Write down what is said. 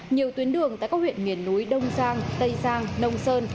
nhiều tuyến đường tại các huyện miền núi đông giang tây giang nông sơn